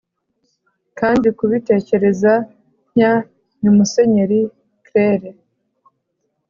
kandi kubitekereza ntya ni musenyeri cleire,